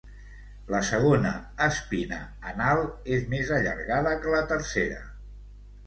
La segona espina anal és més allargada que la tercera.